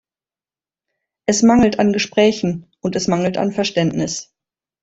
Es mangelt an Gesprächen, und es mangelt an Verständnis.